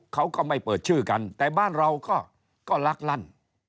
เขาก็ไม่เปิดชื่อกันแต่บ้านเราก็ลักลั่น